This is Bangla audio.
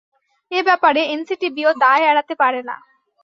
এ ব্যাপারে এনসিটিবিও দায় এড়াতে পারে না।